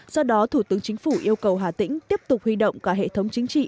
do đó thủ tướng chính phủ yêu cầu hà tĩnh tiếp tục huy động cả hệ thống chính trị